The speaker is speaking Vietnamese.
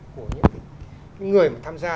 của những người mà tham gia